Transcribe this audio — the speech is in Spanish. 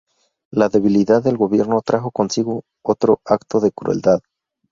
La debilidad del gobierno trajo consigo otro acto de crueldad.